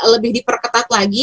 lebih diperketat lagi